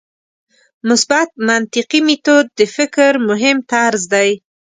مثبت منطقي میتود د فکر مهم طرز دی.